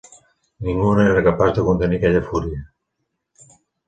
Ningú no era capaç de contenir aquella fúria.